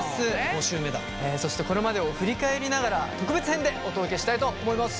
そしてこれまでを振り返りながら特別編でお届けしたいと思います。